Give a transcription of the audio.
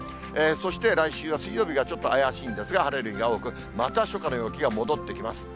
そして来週は水曜日がちょっと怪しいんですが、晴れる日が多く、また初夏の陽気が戻ってきます。